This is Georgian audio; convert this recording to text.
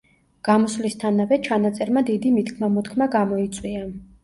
გამოსვლისთანავე, ჩანაწერმა დიდი მითქმა-მოთქმა გამოიწვია.